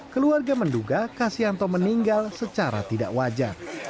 keluarga menduga kasianto meninggal secara tidak wajar